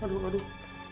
aduh aduh aduh